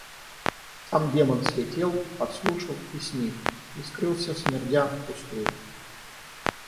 Сам Демон слетел, подслушал, и сник, и скрылся, смердя впустую.